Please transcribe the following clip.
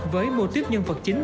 với mô típ nhân vật chính